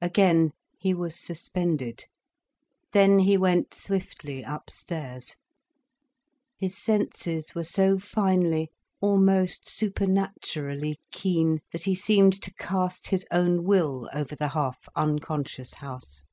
Again he was suspended. Then he went swiftly upstairs. His senses were so finely, almost supernaturally keen, that he seemed to cast his own will over the half unconscious house.